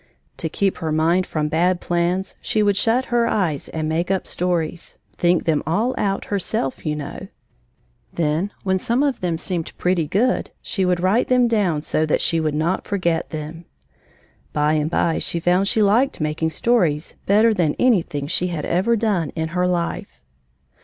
To keep her mind from bad plans she would shut her eyes and make up stories think them all out, herself, you know. Then, when some of them seemed pretty good, she would write them down so that she would not forget them. By and by she found she liked making stories better than anything she had ever done in her life.